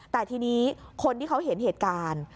แต่ทีนี้คนที่เขาเห็นเหตุการณ์